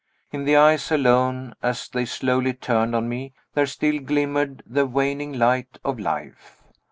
In the eyes alone, as they slowly turned on me, there still glimmered the waning light of life.